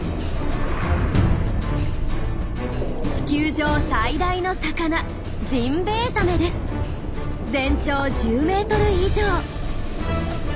地球上最大の魚全長１０メートル以上。